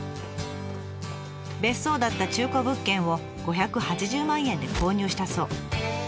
別荘だった中古物件を５８０万円で購入したそう。